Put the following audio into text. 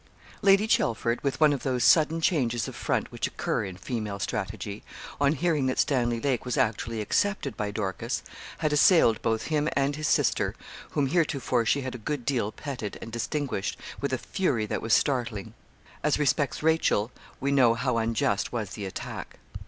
Lady Chelford, with one of those sudden changes of front which occur in female strategy, on hearing that Stanley Lake was actually accepted by Dorcas, had assailed both him and his sister, whom heretofore she had a good deal petted and distinguished, with a fury that was startling. As respects Rachel, we know how unjust was the attack.